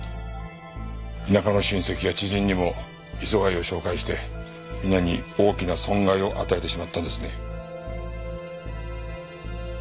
田舎の親戚や知人にも磯貝を紹介してみんなに大きな損害を与えてしまったんですね。